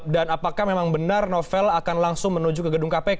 dan apakah memang benar novel akan langsung menuju ke gedung kpk